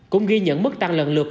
cũng ghi nhận mức tăng lần lượt